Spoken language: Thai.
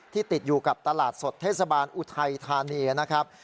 ติดอยู่กับตลาดสดเทศบาลอุทัยธานีนะครับ